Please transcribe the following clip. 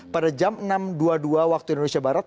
pada jam enam dua puluh dua waktu indonesia barat